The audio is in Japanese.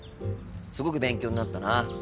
すごく勉強になったな。